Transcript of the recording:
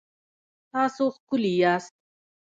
تاسو ښکلي یاست